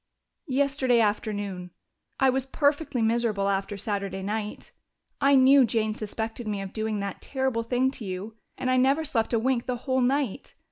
"Yesterday afternoon. I was perfectly miserable after Saturday night. I knew Jane suspected me of doing that terrible thing to you, and I never slept a wink the whole night.